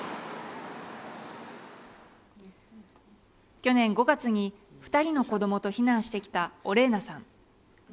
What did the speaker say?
去年５月に２人の子どもと避難してきたオレーナさん。